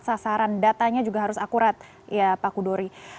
sasaran datanya juga harus akurat ya pak kudori